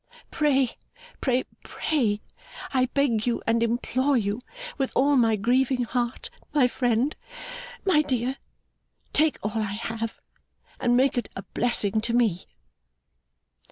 Pray, pray, pray, I beg you and implore you with all my grieving heart, my friend my dear! take all I have, and make it a Blessing to me!